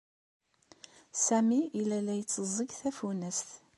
Sami yella la itteẓẓeg tafunast.